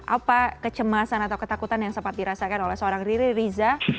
apa kecemasan atau ketakutan yang sempat dirasakan oleh seorang riri riza